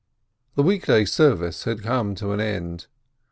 The week day service had come to an end.